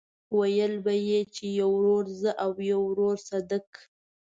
ويل به يې چې يو ورور زه او يو ورور صدک.